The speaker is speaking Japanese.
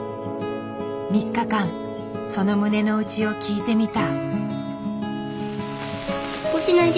３日間その胸の内を聞いてみた。